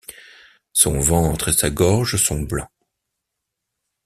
Son ventre et sa gorge sont blancs.